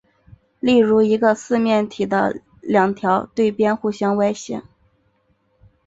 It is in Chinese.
例如一个四面体的两条对边互相歪斜。